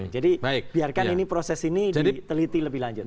jadi biarkan proses ini diteliti lebih lanjut